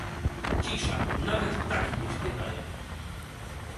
"Cisza: nawet ptaki nie śpiewają."